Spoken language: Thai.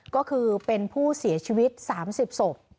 ก็คือเป็นผู้เสียชีวิต๓๐ศพ